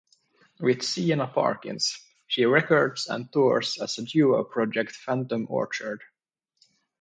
With Zeena Parkins, she records and tours as duo project Phantom Orchard.